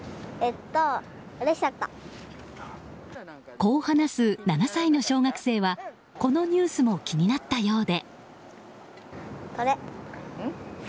こう話す７歳の小学生はこのニュースも気になったようで。